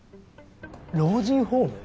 老人ホーム？